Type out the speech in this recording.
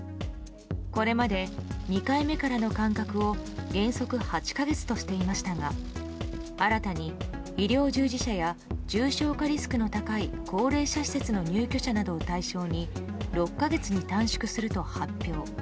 これまで２回目からの間隔を原則８か月としていましたが新たに医療従事者や重症化リスクの高い高齢者施設の入居者などを対象に６か月に短縮すると発表。